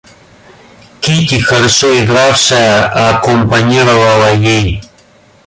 Кити, хорошо игравшая, акомпанировала ей.